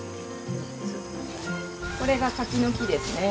これが柿の木ですね。